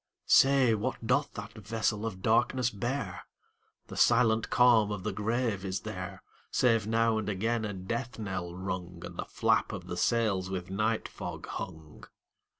Say, what doth that vessel of darkness bear? The silent calm of the grave is there, Save now and again a death knell rung, And the flap of the sails with night fog hung.